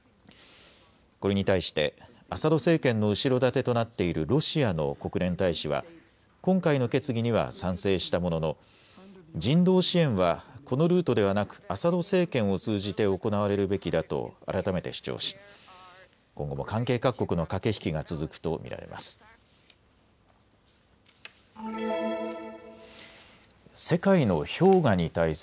これに対してアサド政権の後ろ盾となっているロシアの国連大使は今回の決議には賛成したものの人道支援はこのルートではなくアサド政権を通じて行われるべきだと改めて主張し今後も関係各国の駆け引きが続くと見られます。